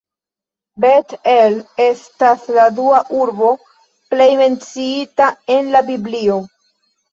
Bet-El estas la dua urbo plej menciita en la Biblio.